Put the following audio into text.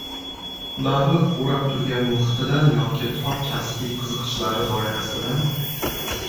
ularni o‘rab turgan muhitidan yoki tor kasbiy qiziqishlari doirasidan